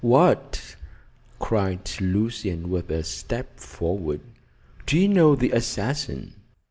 "What!" cried Lucian, with a step forward. "Do you know the assassin?"